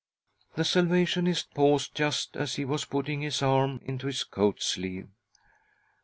The Salvationist paused just as he was putting his arm into his coat sleeve.